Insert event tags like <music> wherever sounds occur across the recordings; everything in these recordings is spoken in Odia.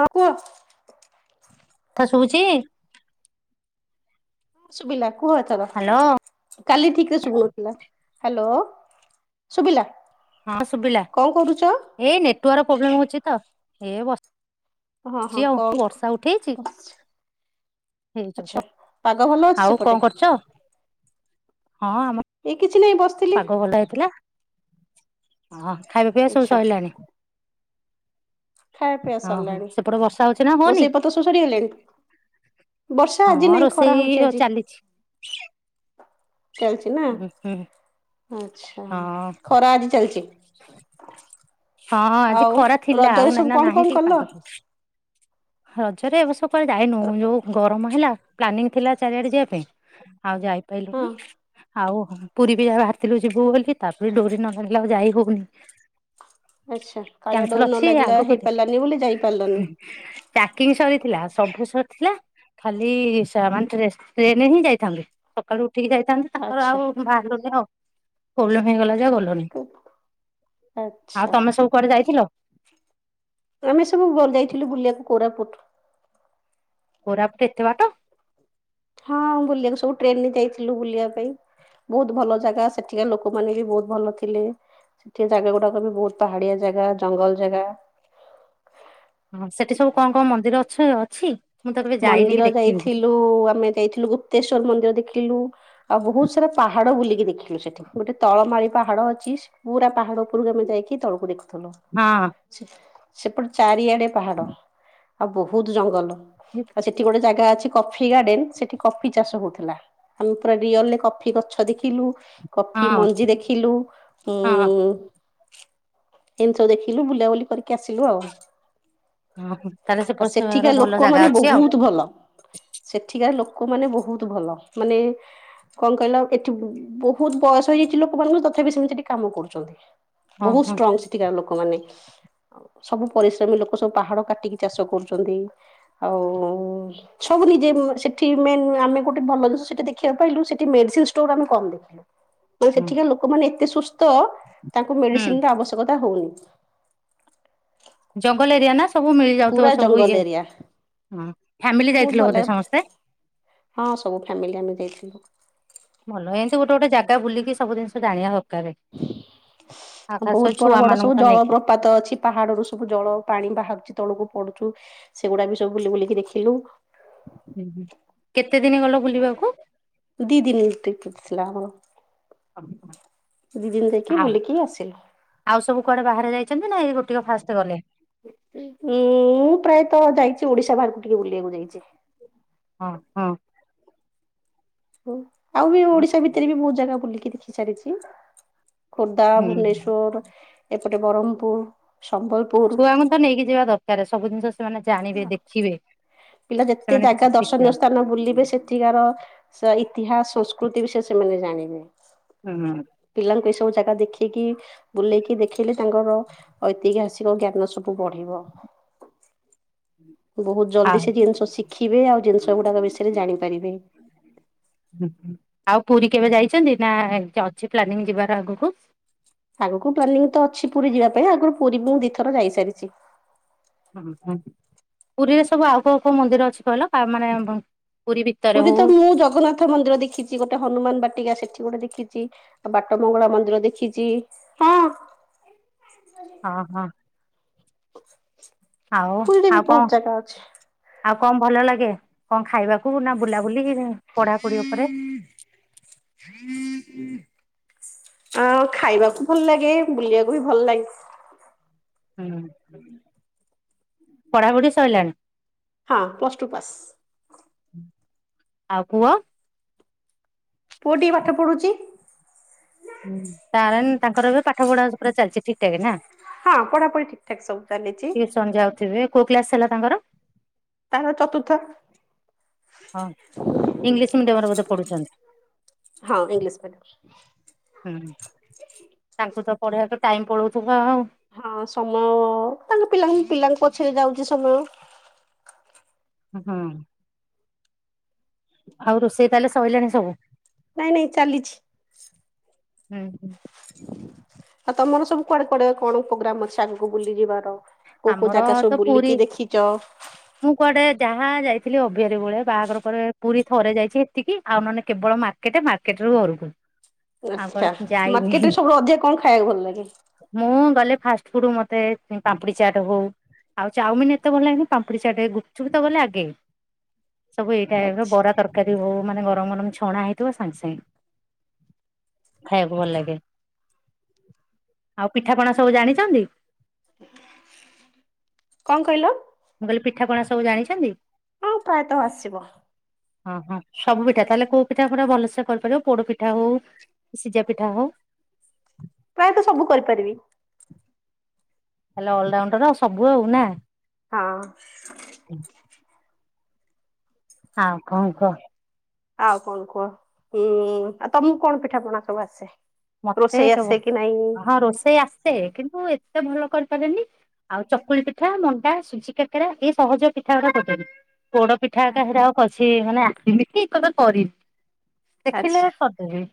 ହଁ କୁହ। ତ ଶୁଭୁଛି। ହଁ ଶୁବିଲା କୁହ ଏଥର। ହ୍ୟାଲୋ କାଲି ଠିକରେ ଶୁଭୁନଥିଲା। ହ୍ୟାଲୋ ଶୁଭିଲା ହଁ ଶୁଭିଲା କଣ କରୁଛ? ଏଇ ନେଟୱାର୍କ ପ୍ରୋବ୍ଲେମ ହଉଛି ତ। ଏ ବ ହଁ ହଁ ଆଉ କଣ ବର୍ଷା ଉଠେଇଛି। ବସିଛି ହେଇ। ଆଚ୍ଛା ପାଗ ଭଲ ଅଛି ଆଉ ସେପଟେ? କଣ କରୁଛ। ହଁ ଆମ ଏଇ କିଛି ନାଇଁ ବସ ପାଗ ଭଲ ହେଇଥିଲା ହ ଖାଇବା ପିଇବା ସବୁ ଆଚ୍ଛା ସରିଲାଣି। ଖାଇବା ପିଇବା ହଁ ହଁ ସରିଲାଣି। ସେପଟେ ବର୍ଷା ହଉଛି ନା ହଉନି ରୋଷେଇ ପତ୍ର ସବୁ ସରିଗଲାଣି। ବର୍ଷା ଆଜି ହଁ ନାହିଁ ରୋଷେଇ ଖରା ହଉଛି ଆଜି ଚାଲିଛି ଚାଲିଛି ନା ହୁଁ ହୁଁ ଆଛା ହଁ ଖରା ଆଜି ଚାଲିଛି। ହଁ ହଁ ଆଜି ଆଉ ଖରା ଥିଲା ଆଉ ରଜରେ ସବୁ ଏଇନା କଣ ନାହିଁ କଣ ଟିକେ କଲ? ପାଗ ରଜରେ ଏ ବର୍ଷ କୁଆଡେ ଯାଇନୁ ଯୋଉ ଗରମ ହେଲା। ପ୍ଲାନିଂ ଥିଲା ଚାରିଆଡେ ଯିବା ପାଇଁ ଆଉ ହଁ ଯାଇପାରିଲୁନି। ଆଉ ହଁ ପୁରୀ ବି ଯା ବାହାରିଥିଲୁ ଯିବୁ ବୋଲି ତାପରେ ଡୋରି ନ ଲାଗିଲା ଆଉ ଯାଇ ହଉନି। ଆଚ୍ଛା କାଳିଆ କ୍ୟାନସଲ ଡୋରି ନ ଅଛି ଲାଗିଲା ଆଗକୁ ହେଇପାରିଲାନି ବୋଲି ଯାଇପାରିଲନି। ପ୍ୟାକିଂ ସରିଥିଲା ସବୁ ସରିଥିଲା। ଖାଲି ସେମାନେ ଟ୍ରେନରେ ହିଁ ଯାଇଥାନ୍ତେ ସକାଳୁ ଉଠିକି ଯାଇଥାନ୍ତେ। ତାଙ୍କର ଆଚ୍ଛା। ଆଉ ବାହାରିଲୁନି ଆଉ ପ୍ରୋବ୍ଲେମ ହେଇଗଲା ଯେ ଆଉ ଗଲୁନି। <inaudible> ଆଉ ଆଚ୍ଛା ତମେ ସବୁ କୁଆଡେ ଯାଇଥିଲ? ଆମେ ସବୁ ବ ଯାଇଥିଲୁ ବୁଲିବାକୁ କୋରାପୁଟ। କୋରାପୁଟ ଏତେ ବାଟ? ହଁ ବୁଲିବାକୁ ସବୁ ଟ୍ରେନରେ ଯାଇଥିଲୁ ବୁଲିବା ପାଇଁ। ବହୁତ ଭଲ ଜାଗା ସେଠିକା ଲୋକମାନେ ବି ବହୁତ ଭଲ ଥିଲେ। ସେଠି ଜାଗାଗୁଡାକ ବି ବହୁତ ପାହାଡିଆ ଜାଗା ଜଙ୍ଗଲ ଜାଗା। ହଁ ସେଠି ସବୁ କଣ କଣ ମନ୍ଦିର ଅଛ ଅଛି। ମୁଁ ତ କେବେ ଯାଇନି କି ଦେଖିନି। ଯୋଉଁ ଆମେ ଯାଇଥିଲୁ ଗୁପ୍ତେଶ୍ୱର ମନ୍ଦିର ଦେଖିଲୁ। ଆଉ ବହୁତ ସାରା ପାହାଡ ବୁଲିକି ଦେଖିଲୁ ସେଠି ଗୋଟେ ତଳମାଳି ପାହାଡ ଅଛି। ପୁରା ପାହାଡ ଉପରକୁ ଆମେ ଯାଇକି ତଳକୁ ଦେଖୁଥିଲୁ। ହଁ। ସେପଟେ ଚାରିଆଡେ ପାହାଡ ଆଉ ବହୁତ ଜଙ୍ଗଲ। କି ଆଉ ସେଠି ଗୋଟେ ଜାଗା ଅଛି କଫି ଗାର୍ଡେନ ସେଠି କଫି ଚାଷ ହଉଥିଲା। ଆମେ ପୁରା ରିଅଲରେ କଫି ଗଛ ଦେଖିଲୁ। କଫି ହଁ ମଞ୍ଜି ଦେଖିଲୁ ଉ ହଁ ଏମିତି ସବୁ ଦେଖିଲୁ ବୁଲାବୁଲି କରିକି ଆସିଲୁ ଆଉ। ଓହୋ ତାହେଲେ ଆଉ ସେପ ସେଠିକା ଆଡେ ଭଲ ଲୋକମାନେ ଜାଗା ଅଛି ଆଉ। ବହୁତ ଭଲ ସେଠିକାର ଲୋକମାନେ ବହୁତ ଭଲ। ମାନେ କଣ କହିଲ ଏଠି ବୋ ବହୁତ ବୟସ ହେଇଯାଇଛି ଲୋକମାନଙ୍କୁ ତଥାପି ସେମିତି ସେଠି କାମ କରୁଛନ୍ତି। ହଁ ବହୁତ ହଁ ଷ୍ଟ୍ରଙ୍ଗ ସେଠିକାର ଲୋକମାନେ। ସବୁ ପରିଶ୍ରମୀ ଲୋକ ସବୁ ପାହାଡ କାଟିକି ଚାଷ କରୁଛନ୍ତି। ଆଉ ସବୁ ନିଜେ ସେଠି ମେ ଆମେ ଗୋଟେ ଭଲ ଜିନିଷ ସେଠି ଦେଖିବାକୁ ପାଇଲୁ। ସେଠି ମେଡିସିନ ଷ୍ଟୋର ଆମେ ଦେଖିଲୁ। ହୁଁ ସେଠିକା ଲୋକମାନେ ଏତେ ସୁସ୍ଥ, ତାଙ୍କୁ ମେଡିସିନର ଆବଶ୍ୟକତା ହଉନି। ଜଙ୍ଗଲ ଏରିଆ ନା ସବୁ ମିଳି ଯାଉଥିବ ପୁରା ସବୁ ଜଙ୍ଗଲ ଇଏ ଏରିଆ ଫାମିଲି ବହୁତ ଯାଇଥିଲ ଭଲ ବୋଧେ ସମସ୍ତେ? ହଁ ସବୁ ଫ୍ୟାମିଲି ଆମେ ଯାଇଥିଲୁ। ଭଲ ଏମିତି ଗୋଟେ ଗୋଟେ ଜାଗା ବୁଲିକି ସବୁ ଜିନିଷ ଜାଣିବା ଦରକାର। ଆଉ ଖାସ କରି ବହୁତ ବଡ ଛୁଆ ବଡ ମାନଙ୍କୁ ସବୁ ତ ନେଇକି। ଜଳପ୍ର ପାତ ଅଛି ପାହାଡରୁୁ ସବୁ ଜଳ ପାଣି ବାହାରୁଛି ତଳକୁ ପଡୁଚୁ। ସେଗୁଡା ବି ସବୁ ବୁଲି ବୁଲିକି ଦେଖିଲୁ। କେତେ ଦିନ ଗଲ ବୁଲିବାକୁ? ଦି ଦିନ ଟ୍ରିପ ଥିଲା ଆମର। ଦି ଦିନ ଦେଖି ଆଉ ବୁଲିକି ଆସିଲୁ। ଆଉ ସବୁ କୁଆଡେ ବାହାରେ ଯାଇଛନ୍ତି ନା ଏଇ ଗୋଟେ ଫାଷ୍ଟ ଗଲେ। ମୁଁ ପ୍ରାୟତ ଯାଇଛି ଓଡିଶା ବାହାରକୁ ଟିକେ ବୁଲିବାକୁ ଯାଇଛି। ହଁ ହଁ। ଆଉ ବି ଓଡିଶା ଭିତରେ ବି ବହୁତ ଜାଗା ବୁଲିକି ଦେଖି ସାରିଛି। ଖୋର୍ଦ୍ଧା, ହୁଁ। ଭୁବନେଶ୍ୱର, ଏପଟେ ବ୍ରହ୍ମପୁର, ସମ୍ବଲପୁର। ଛୁଆଙ୍କୁ ତ ନେଇକି ଯିବା ଦରକାର ସବୁ ଜିନିଷ ସେମାନେ ଜାଣିବେ ଦେଖିବେ ପିଲା ଯେତେ ସେମାନେ କିଛି ଜାଗା ଶିଖିବା ଦର୍ଶନୀୟ ସ୍ଥାନ ବୁଲିବେ ସେ ଏଠିକାର ଇତିହାସ ସଂସ୍କୃତି ବିଷୟରେ ସେମାନେ ଜାଣିବେ। ହୁଁ। ପିଲାଙ୍କୁ ଏସବୁ ଜାଗା ଦେଖିକି। ବୁଲେଇକି ଦେଖିଲେ ତାଙ୍କର ଐତିହାସିକ ଜ୍ଞାନ ସବୁ ବଢିବ। ହୁଁ <unintelligible> ବହୁତ ଜଲଦି ସେ ଜିନିଷ ଶିଖିବେ ଆଉ ଜିନିଷ ଗୁଡାକ ବିଷୟରେ ଜାଣିପାରିବେ। ଆଉ ପୁରୀ କେବେ ଯାଇଛନ୍ତି ନା ଅଛି ପ୍ଲାନିଂ ଯିବାର ଆଗକୁ? ଆଗକୁ ପ୍ଲାନିଂ ତ ଅଛି ପୁରୀ ଯିବା ପାଇଁ ଆଗରୁ ପୁରୀ ମୁ ଦି ଥର ଯାଇସାରିଛି। ହୁଁ ହୁଁ, ପୁରୀରେ ସବୁ ଆଉ କଉ କଉ ମନ୍ଦିର ଅଛି କହିଲ ମାନେ? ଭିତରେ ପୁରୀ ହଉ ତ ମୁଁ ଜଗନ୍ନାଥ ମନ୍ଦିର ଦେଖିଛି ଗୋଟେ, ହନୁମାନ ବାଟିକା ସେଠି ଗୋଟେ ଦେଖିଛି। ବାଟ ମଙ୍ଗଳା ମନ୍ଦିର ଦେଖିଚି ହଁ। ଅ ହଁ। ଆଉ କୁଲଦେବୀ କଣ ବୋହୁତ ଜାଗା ଅଛି। ଆଉ କଣ ଭଲ ଲାଗେ କଣ ଖାଇବାକୁ, ନା ବୁଲାବୁଲି, ପଢାପଢି ଉପରେ? ଆଉ ଖାଇବାକୁ ଭଲ ଲାଗେ, ବୁଲିବାକୁ ବି ଭଲ ଲାଗେ। ହୁଁ ପଢାପଢି ସରିଲାଣି? ହଁ ପ୍ଲସ୍ ଟୁ ପାସ୍। ଆଉ ପୁଅ? ପୁଅ ଟିଏ ପାଠପଢ଼ୁଚି। ହୁଁ କାରଣ ତାଙ୍କର ଏବେ ପାଠପଢା ପୁରା ଚାଲଚି ଠିକଠାକ ନା? ହଁ ପଢାପଢି ଠିକ୍ ଠାକ ସବୁ ଚାଲିଚି। ଟ୍ୟୁସନ୍ ଯାଉଥିବେ। କୋଉ କ୍ଲାସ ହେଲା ତାଙ୍କର? ତାର ଚତୁର୍ଥ। ହଁ ଇଂଲିଶ ମିଡିୟମରେ ବୋଧେ ପଢୁଚନ୍ତି। ହଁ ଇଂଲିଶ ମିଡିଅମରେ। ହୁଁ ତାଙ୍କୁ ତ ପଢେଇବାକୁ ଟାଇମ ପଳୋଉଥୁବ ଆଉ। ହଁ ସମୟ ତାଙ୍କ ପିଲାଙ୍କୁ ପିଲାଙ୍କ ପଛରେ ଯାଉଚି ସମୟ। ହୁଁ। ଆଉ ରୋଷେଇ ତାହେଲେ ସଇଲାଣି ସବୁ। ନାଇଁ ନାଇଁ ଚାଲିଛି। ହୁଁ ହୁଁ। ଆଉ ତମର ସବୁ କୁଆଡେ କୁଆଡେ କଣ ପ୍ରୋଗ୍ରାମ ଅଛି ଆଗକୁ ବୁଲି ଯିବାର? କୋଉ କୋଉ ଆମର ଜାଗା ତ ସବୁ ପୁରୀ ବୁଲିକି ଦେଖିଚ? ମୁଁ କୁଆଡେ ଯାହା ଯାଇଥିଲି ଅବହାରୀ ବେଳେ ଆଉ ବାହାଘର ପରେ ପୁରୀ ଥରେ ଯାଇଛି ଏତିକି ଆଉ ନହନେ କେବଳ ମା କେତେ ମାର୍କେଟରୁ ଘରୁକୁ। ଆଚ୍ଛା ମାର୍କେଟରେ ସବୁଠୁ ଅଧିକା କଣ ଖାଇବାକୁ ଭଲ ଲାଗେ? ମୁଁ ଗଲେ ଫାଷ୍ଟ ଫୁଡ ମତେ ଉଁ ପାମ୍ପୁଡି ଚାଟ ହୋଉ ଆଉ ଚାଓମିନ ଏତେ ଭଲ ଲାଗେନି ପାମ୍ପୁଡି ଚାଟ, ଗୁପଚୁପବି ତ ଗଲେ ଆଗେ। ସବୁ ଏଇ ଟାଇପରେ ଆଚ୍ଛା ବରା ତରକାରୀ ହୋଉ ମାନେ ଗରମ ଗରମ ଛଣା ହେଇ ଥିବ ସାଙ୍ଗେ ସାଙ୍ଗେ ଖାଇବାକୁ ଭଲ ଲାଗେ। ଆଉ ପିଠାପଣା ସବୁ ଜାଣିଚନ୍ତି? କଣ କହିଲ? ମୁଁ କହିଲି ପିଠାପଣା ସବୁ ଜାଣିଛନ୍ତି? ହଁ ପ୍ରାୟତଃ ଆସିବ। ହଁ ହଁ ସବୁ ପିଠା ତାହେଲେ କୋଉ ପିଠା ପୁରା ଭଲସେ କରିପାରିବ ପୋଡ ପିଠା ହୋଉ ସିଜା ପିଠା ହୋଉ। ପ୍ରାୟତଃ ସବୁ କରିପାରିବି। ତାହେଲେ ଅଲରାଉଣ୍ଡର ଆଉ ସବୁ ଆଉ ନା। ହଁ। ହଁ କଣ କୁହ? ଆଉ କଣ କୁହ ହୁଁ ଆଉ ତମୁକୁ କଣ ପିଠା ପଣା ସବୁ ଆସେ? ମତେ ରୋଷେଇ ଆସେ କେବ କି ନାଇଁ? ହଁ ରୋଷେଇ ଆସେ କିନ୍ତୁ ଏତେ ଭଲ କରିପାରେନି। ଆଉ ଚକୁଳି ପିଠା, ମଣ୍ଡା, ସୁଜି କାକରା, ଏଇ ସହଜ ପିଠାଗୁଡା କରିଦେବି। ପୋଡ ପିଠା ଏକା ହେରା ଆଉ କରସିକିନ ମାନେ ଆସିନିକି କେବେ କରିନି ଦେଖିଲେ ଆଚ୍ଛା କର ଦେବି।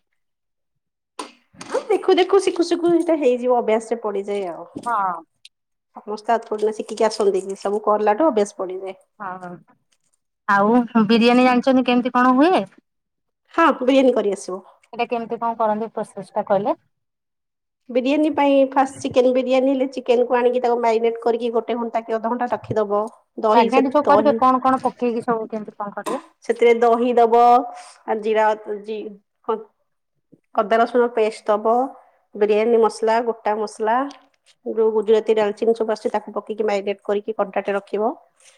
ହଁ ଦେଖୁ ଦେଖୁ ଶିଖୁ ଶିଖୁ ତ ହେଇଯିବ ଅଭ୍ୟାସରେ ପଡିଯାଏ ଆଉ। ହଁ। ସମସ୍ତେ ଆଉ ଥୋଡ଼ିନା ଶିଖିକି ଆସନ୍ତି କିି ସବୁ କରଲାଠୁ ଅଭ୍ୟାସ ପଡିଯାଏ। ହଁ ହଁ ଆଉ ବିରିୟାନୀ ଜାଣିଚନ୍ତି କେମିତି କଣ ହୁଏ? ହଁ ବିରିୟାନୀ କରିଆସିବ। ସେଇଟା କେମିତି କଣ କରନ୍ତି ପ୍ରୋସେସ ଟା କହିଲେ? ବିରିୟାନୀ ପାଇଁ ଫାଷ୍ଟ ଚିକେନ ବିରିୟାନୀ ହେଲେ ଚିକେନ୍ କୁ ଆଣିକି ତାକୁ ମାରିନେଟ କରିକି ଗୋଟ ଗୋଟେ ଘଣ୍ଟା କି ଅଧଘଣ୍ଟା ରଖିଦବ, ଦହି ସେ ଦହି ପକେଇ କିି ସବୁ ଦିଅନ୍ତି କଣ କରିବେ? ସେଥିରେ ଦହି ଦବ, ଆଉ ଜିରା ଅଦା, ରସୁଣ, ପେଷ୍ଟ ଦବ। ବିରିୟାନୀ ମସଲା ଗୋଟା ମସଲା ଯୋଉ ଗୁ ଗୁଜୁରାତି ଡାଲଚିନ୍ ସବୁ ଆସିଛି ତାକୁ ପକେଇକି ମାରିନେଟ୍ କରିକି ଘଣ୍ଟା ଟେ ରଖିବ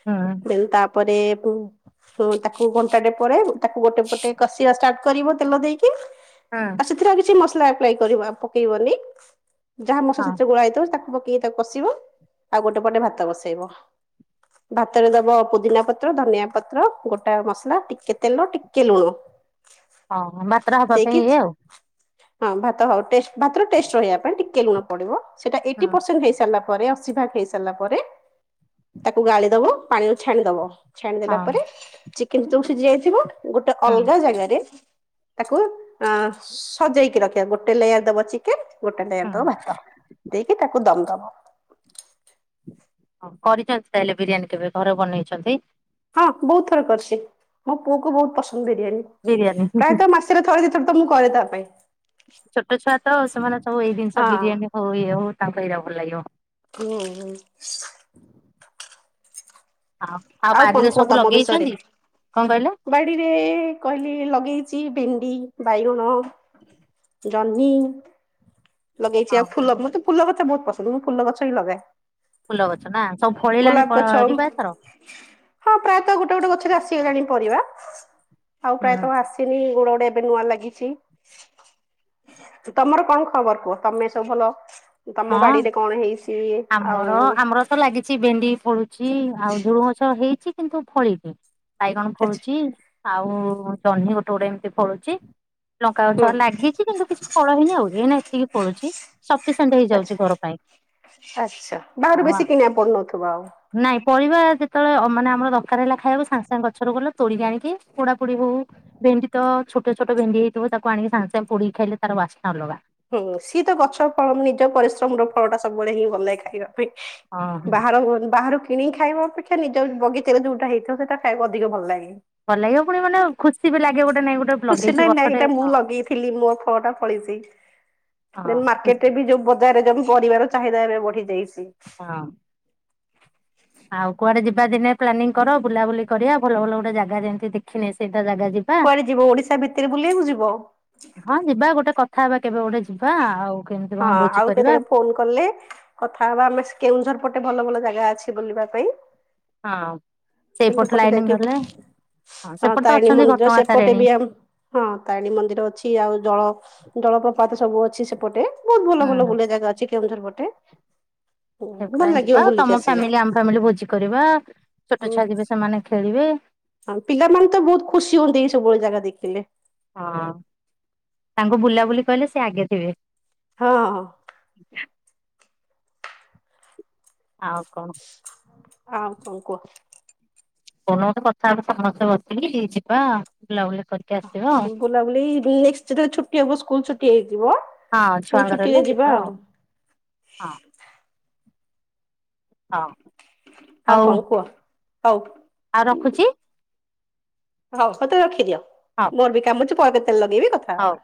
ହୁଁ ଦେନ୍ ତା ପରେ ତ ତାକୁ ଘଣ୍ଟାଟେ ପରେ ତାକୁ ଗୋଟେ ପଟେ କଷିବା ଷ୍ଟାର୍ଟ କରିବ ତେଲ ଦେଇକି। ହଁ। ଆଉ ସେଥିରେ ଆଉ କିଛି ମସଲା ଆପ୍ଲାଏ ପକେଇବନି ଯାହା ମସଲା ହଁ ସେଥିରେ ଗୋଳା ହେଇଥିବ ତାକୁ ବା ତାକୁ କଷିବ ଆଉ ଗୋଟେ ପଟେ ଭାତ ବସେଇବ। ଭାତରେ ଦବ ପୁଦିନାପତ୍ର, ଧନିଆ ପତ୍ର, ଗୋଟା ମସଲା, ଟିକେ ତେଲ, ଟିକେ ଲୁଣ। ହଁ ମାତ୍ରା ହବା ପାଇଁ ଦେଇକି ଇଏ ଆଉ। ହଁ ଭାତ ହଉ ଭାତର ଟେଷ୍ଟ ରହିବା ପାଇଁ ଟିକେ ଲୁଣ ପଡିବ ସେଇଟା ହଁ ଏଇଟି ପରସେଣ୍ଟ ହେଇସାରିଲା ପ ପରେ ଅସିଭାଗ ହେଇ ସାରିଲା ପରେ ତାକୁ ଗାଳି ଦବ ପାଣି ଛାଣିଦବ ଛା ହଁ ପରେ ଚିକେନ ତ ଯୋଉ ସିଝିଯାଇଥିବ ଗୋଟେ ଅଲଗା ଜାଗାରେ ତାକୁ ଅ ସଜେଇକି ରଖିବା ଗୋଟେ ଲେୟାର ଦବ ଚିକେନ ଗୋଟେ ଲେୟାର ହଁ। ଦବ ଭାତ। ଦେଇକି ତାକୁ ଦମ ଦବ। ହ କରିଛନ୍ତି ତାହେଲେ ବିରିୟାନୀ କେବେ ଘରେ ବନେଇଛନ୍ତି? ହଁ ବହୁତ ଥର କରିଛି ମୋ ପୁଅ କୁ ବହୁତ ପସନ୍ଦ ବିରିୟାନୀ। ବିରିୟାନୀ। ପ୍ରାୟତଃ ମାସରେ ଥରେ ଦିଥର ତ ମୁଁ କରେ ତା ପାଇଁ। ଛୋଟ ଛୁଆ ତ ସେମାନେ ସବୁ ଏଇ ଜିନିଷ ହଁ ବିରିୟାନୀ ହଉ ଇଏ ହଉ ତାଙ୍କ ଏଇରା ଭଲ ଲାଗିବ। ହୁଁ। ଆଉ ଆଉ କଣ ବାରିରେ କୁହ ସବୁ ତମ ବିଷୟରେ? ଲଗେଇଛନ୍ତି କଣ କହିଲେ? ବାଡିରେ କହିଲି ଲଗେଇଛି ଭେଣ୍ଡି, ବାଇଗଣ। ଜହ୍ନି ଲଗେଇଛି, ଆଉ ଓହୋ ଫୁଲ, ମତେ ଫୁଲ ଗଛ ବହୁତ ପସନ୍ଦ ମୁଁ ଫୁଲ ଗଛ ହିଁ ଲଗାଏ। ଫୁଲ ଗଛ ନା ସବୁ ଫଳିଲାଣି ଗୋଲାପ ଗଛ ପରିବା ଏଥର? ହୁଁ ହଁ ପ୍ରାୟତଃ ଗୋଟେ ଗୋଟେ ଗଛରେ ଆସିଗଲାଣି ପରିବା ଆଉ ହଁ। ପ୍ରାୟତଃ ଆସିନି। ଚତିନି ଗୁଡ ଗୋଟେ ଏବେ ନୂଆ ଲାଗିଛି, ତମର କଣ ଖବର କୁହ ତମେ ସବୁ ଭଲ ତମ ବାଡିରେ କଣ ହେଇ, ଆମର ଆମର ତ ଲାଗିଛି ଭେଣ୍ଡି ଫଳୁଛି ଆଉ ଝୁରୁଁଙ୍ଗ ଗଛ ହେଇଛି କିନ୍ତୁ ଫଳିନି ବାଇଗଣ ଆଛା ଫଳୁଛି ଆଉ ଜହ୍ନି ଗୋଟେ ଗୋଟେ ଏମିତି ଫଳୁଛି। ଲଙ୍କା ହୁଁ ଗଛ ଲାଗିଛି କିନ୍ତୁ କିଛି ଫଳ ହେଇନି ଆଉ ଏଇନା ଏତିକି ପଳୁଛି, ସଫିସିଣ୍ଟ ଆଛା ହେଇଯାଉଛି ଘର ପାଇଁ। ଆଚ୍ଛା ବାହାରୁ ଆଉ ବେଶି କିଣିବାକୁ ପଡୁନଥଥିବା ଆଉ। ନାଇଁ ପରଳବା ଯେତେବେଳେ ମାନେ ଆମର ଦରକାର ହେଲା ଖାଇବାକୁ ସାଙ୍ଗେ ସାଙ୍ଗେ ଗଛରୁ ଗଲେ ତୋଳିକି ଆଣିକି ପୋଡାପୋଡି ହଉ ଭେଣ୍ଡି ତ ଛୋଟ ଛୋଟ ଭେଣ୍ଡି ହେଇଥିବ ତାକୁ ଆଣିକି ସାଙ୍ଗେ ସାଙ୍ଗେ ପୋଡି ଖାଇଲେ ତାର ବାସ୍ନା ଅଲଗା। ହୁଁ ସିଏ ତ ଗଛ ଫଳ ନିଜ ପରିଶ୍ରମ ର ଫଳ ଟା ସବୁବେଳେ ହିଁ ଭଲ ଲାଗେ ଖାଇବା ହଁ ହଁ ପାଇଁ ବାହାର ବାହାରୁ କିଣିକି ଖାଇବ ଅପେକ୍ଷା ନିଜ ବଗିଚାରେ ଯଉଟା ହେଇଥିବ ସେଟା ଖାଇବାକୁ ଅଧିକ ଭଲ ଲାଗେ ଭଲାଲାଗିବ ପୁଣି ମାନେ ଖୁସି ବି ଲାଗେ ଗୋଟେ ନାଇଁ ଗୋଟେ ଖୁସି ଲଗେଇଛି ନାଇଁ ନାଇଁ ଗଛଟେ ଏଇଟା ମୁଁ ହଁ ଲଗେଇଥିଲି ମୋ ଫଳ ଟା ଫଳିଛି ହଁ ଖୁସି ମାର୍କେଟରେ ବି ଯୋଉ ବରେ ଯଉି ପରିବାର ଚାହିଦା ଏବେ ବଢି ଯାଇଛି ହଁ। ଆଉ କୁଆଡେ ଯିବା ଦିନେ ପ୍ଲାନିଂ କର ବୁଲାବୁଲି କରିବା ଭଲ ଭଲ ଗୋଟେ ଜାଗା ଯେମିତି ଦେଖିନି ସେଇଟା ଜାଗା ଯିବା। କୁଆଡେ ଯିବ ଓଡିଶା ଭିତରେ ବୁଲିବାକୁ ଯିବ। ହଁ ଯିବା ଗୋଟେ କଥା ହେବା କେବେ ଗୋଟେ ଯିବା ଆଉ, କେମିତି ହଁ କଣ ଭୋଜି ଆଉ କରିବା କେତେବେଳେ ଫୋନ କଲେ କଥା ହବା ଆମେ କେଉଁଝର ପଟେ ଭଲ ଭଲ ଜାଗା ଅଛି ବୁଲିବା ପାଇଁ ହଁ। କେ ସେଇପଟ ସେପଟେ ଲାଇନ ଯାଇକି ଗଲେ ହଁ ସେପଟେ ତ ତାରିଣୀ ଅଛନ୍ତି ମନ୍ଦିର ଘଟଗାଁ ସେପଟେ ତାରିଣୀ ବି ଆମ ହଁ ତାରିଣୀ ମନ୍ଦିର ଅଛି ଆଉ ଜଳ ଜଳପ୍ରପାତ ସବୁ ଅଛି ସେପଟେ। ବହୁତ ଭଲ ଭଲ ହୁଁ। ବୁଲିଆ ଜାଗା ଅଛି କେଉଁଝର ପଟେ ଭଲ ଲାଗିବ ବୁଲିକି ଆସିଲେ ଫାମିଲି ଭୋଜି କରିବା ଛୋଟ ହୁଁ ଛାଆ ଯିବେ ସେମାନେ ଖେଳିବେ ହଁ ପିଲାମାନେ ତ ବହୁତ ଖୁସି ହୁଅନ୍ତି ଏଇ ସବୁବେଳେ ଜାଗା ଦେଖିଲେ ହଁ ତାଙ୍କୁ ବୁଲାବୁଲି କହିଲେ ସେ ଆଗେ ଥିବେ ହଁ ହଁ। ଆଉ କଣ ହଁ କୁହ କୁହ ଫୋନ ଗୋଟେ କଥାବଟ ସମସ୍ତେ ବସିଲି ଯିବା ବୁଲାବୁଲି କରି ବୁଲାବୁଲି ଯେେଳବେଳେ ଛୁଟି ହବ ସ୍କୁଲ ଛୁଟି ହେଇଯିବ ହଁ ପୁଣି ଛୁଆଙ୍କର ହେଲେ ଛୁଟିରେ ଯିବା ଆଉ ହଁ ହଁ ଆଉ କଣ କୁହ ହଉ ଆଉ ରଖୁଛି ହଉ ମତେ ରଖିଦିଅ ହଉ ମୋର ବି କାମ ଅଛି ପରେ କେତେଲ ଲଗେଇବି କଥା ହଉ। ହବା